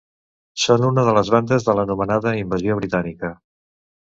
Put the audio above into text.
Són una de les bandes de l'anomenada Invasió Britànica.